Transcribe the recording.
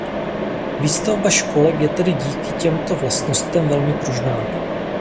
Výstavba školek je tedy díky těmto vlastnostem velmi pružná.